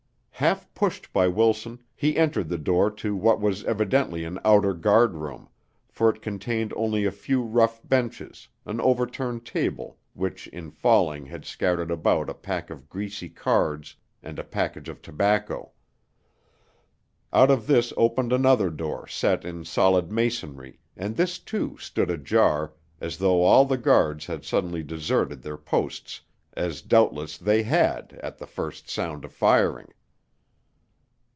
Half pushed by Wilson, he entered the door to what was evidently an outer guardroom, for it contained only a few rough benches, an overturned table which in falling had scattered about a pack of greasy cards and a package of tobacco. Out of this opened another door set in solid masonry, and this, too, stood ajar as though all the guards had suddenly deserted their posts, as doubtless they had at the first sound of firing.